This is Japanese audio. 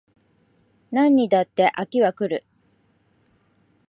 何にだって飽きは来る